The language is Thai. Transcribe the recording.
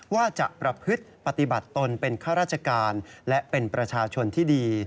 ว่าจะประพฤติปฏิบัติตนเป็นข้าราชการและเป็นประชาชนที่ดี